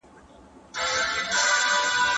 روغ ژوند د انسان د کار وړتیا او حوصله زیاتوي.